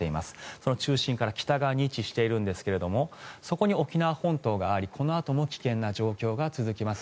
その中心から北側に位置しているんですがそこに沖縄本島がありこのあとも危険な状況が続きます。